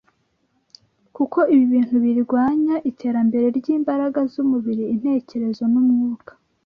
Kuko ibi bintu birwanya iterambere ry’imbaraga z’umubiri, intekerezo, n’umwuka.